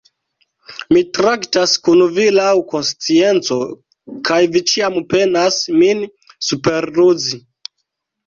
Mi traktas kun vi laŭ konscienco, kaj vi ĉiam penas min superruzi.